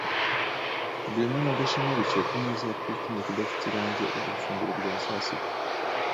Rwema na Gashema bicaye ku meza ya picnic idafite irangi barya ifunguro rya saa sita.